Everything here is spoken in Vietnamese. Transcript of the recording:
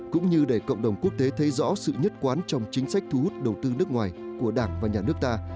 cũng như để cộng đồng quốc tế thấy rõ sự nhất quán trong chính sách thu hút đầu tư nước ngoài của đảng và nhà nước ta